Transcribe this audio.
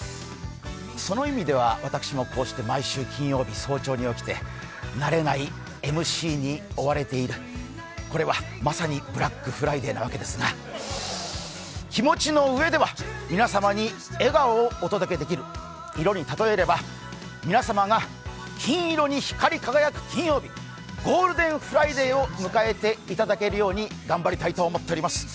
その意味では、私もこうして毎週金曜日、早朝に起きて慣れないＭＣに追われているこれは、まさにブラックフライデーなわけですが気持ちのうえでは皆様に笑顔をお届けできる、色に例えれば、皆様が金色に光り輝く金曜日、ゴールデンフライデーを迎えていただけるように頑張りたいと思っております。